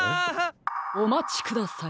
おまちください。